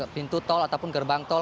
pintu tol ataupun gerbang tol